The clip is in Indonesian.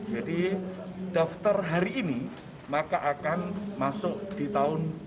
jadi daftar hari ini maka akan masuk di tahun dua ribu dua puluh satu